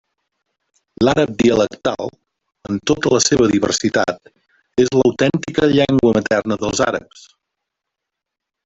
L'àrab dialectal, en tota la seva diversitat, és l'autèntica llengua materna dels àrabs.